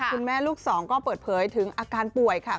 ลูกสองก็เปิดเผยถึงอาการป่วยค่ะ